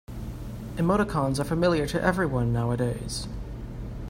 Emoticons are familiar to everyone nowadays.